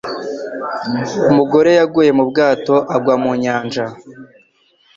Umugore yaguye mu bwato agwa mu nyanja.